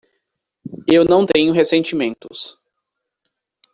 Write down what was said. Eu não tenho ressentimentos.